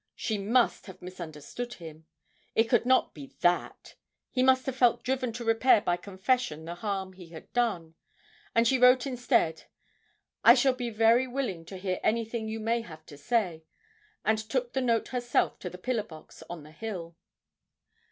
She must have misunderstood him it could not be that; he must have felt driven to repair by confession the harm he had done. And she wrote instead 'I shall be very willing to hear anything you may have to say,' and took the note herself to the pillar box on the hill.